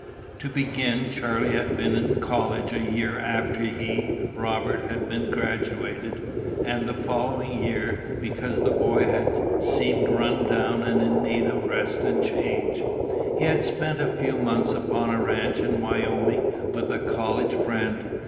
To begin, Charlie had been in college a year after he (Robert) had been graduated, and the following year, "because the boy had seemed run down and in need of rest and change," he had spent a few months upon a ranch in Wyoming with a college friend.